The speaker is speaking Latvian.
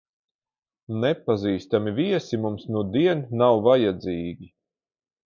Nepazīstami viesi mums nudien nav vajadzīgi!